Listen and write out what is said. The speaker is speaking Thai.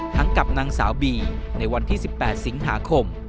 กับนางสาวบีในวันที่๑๘สิงหาคม